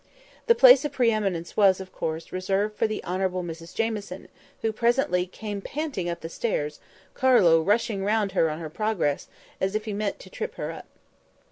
The place of pre eminence was, of course, reserved for the Honourable Mrs Jamieson, who presently came panting up the stairs—Carlo rushing round her on her progress, as if he meant to trip her up.